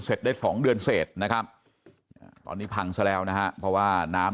ได้๒เดือนเสร็จนะครับตอนนี้พังซะแล้วนะฮะเพราะว่าน้ำ